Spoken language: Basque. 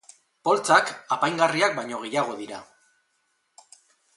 Poltsak apaingarriak baino gehiago dira.